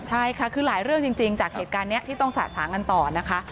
ใช่ค่ะคือหลายเรื่องจริงจากเหตุการณ์นี้ที่ต้องสะสางกันต่อนะคะ